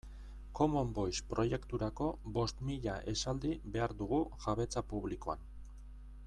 Common Voice proiekturako bost mila esaldi behar dugu jabetza publikoan